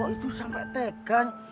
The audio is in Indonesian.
itu sampai tegang